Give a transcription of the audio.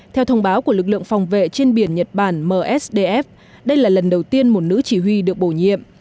theo thông báo của lực lượng phòng vệ trên biển nhật bản msdf đây là lần đầu tiên một nữ chỉ huy được bổ nhiệm